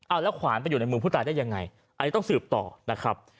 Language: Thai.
เอาแล้วขวานไปอยู่ในมือผู้ตายได้ยังไงอันนี้ต้องสืบต่อนะครับ